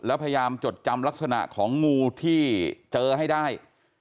แล้วพยายามจดจำลักษณะของงูที่เจอให้ได้